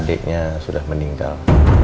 adiknya sudah meninggal